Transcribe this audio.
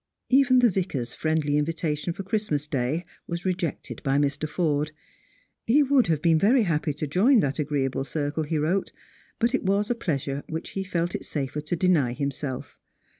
Even the Vicar's friendly invitation for Christmas day waa rejected by I\Ir. Forde. He would have been very happy to join that agreeable circle, he wrote, but it was a pleasure which he felt it safer to deny himself.